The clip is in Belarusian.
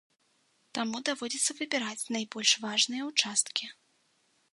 Таму даводзіцца выбіраць найбольш важныя ўчасткі.